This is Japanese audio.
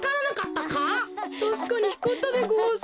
たしかにひかったでごわす。